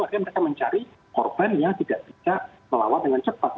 akhirnya mereka mencari korban yang tidak bisa melawan dengan cepat